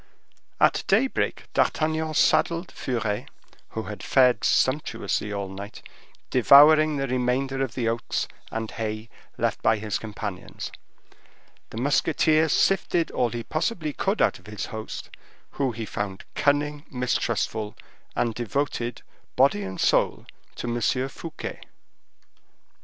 At daybreak D'Artagnan saddled Furet, who had fared sumptuously all night, devouring the remainder of the oats and hay left by his companions. The musketeer sifted all he possibly could out of the host, who he found cunning, mistrustful, and devoted, body and soul, to M. Fouquet.